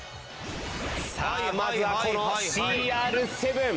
さぁまずはこのＣＲ７。